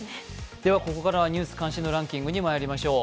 ここからは「ニュース関心度ランキング」にまいりましょう。